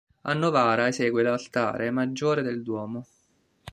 A Novara esegue l'altare maggiore del Duomo.